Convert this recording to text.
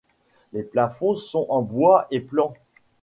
Les plafonds sont en bois et plans.